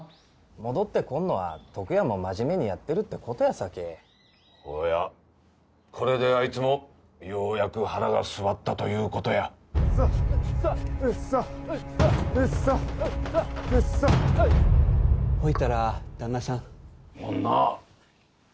戻ってこんのは篤やんも真面目にやってるってことやさけほうやこれであいつもようやく腹が据わったということやエッサエッサエッサエッサ・ほいたら旦那さん・ほんな